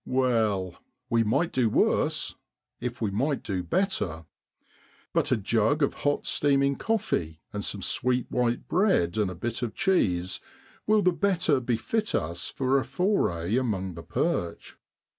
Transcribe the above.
Well, we might do worse, if we might do better. But a jug of hot steaming coffee, and some sweet white bread and a bit of cheese will the better befit us for a foray amongst the perch.